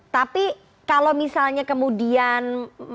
tapi kalau misalnya kemudian